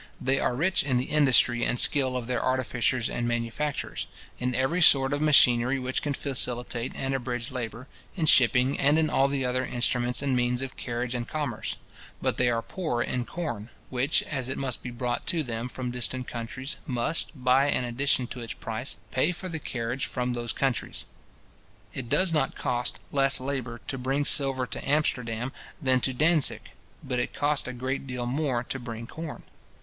They are rich in the industry and skill of their artificers and manufacturers, in every sort of machinery which can facilitate and abridge labour; in shipping, and in all the other instruments and means of carriage and commerce: but they are poor in corn, which, as it must be brought to them from distant countries, must, by an addition to its price, pay for the carriage from those countries. It does not cost less labour to bring silver to Amsterdam than to Dantzic; but it costs a great deal more to bring corn.